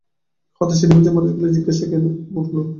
হতাশায় নিমজ্জিত মানুষগুলোর জিজ্ঞাসা, কেন এমন হলো।